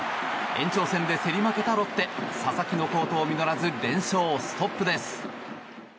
延長戦で競り負けたロッテ佐々木の好投実らず連勝ストップです。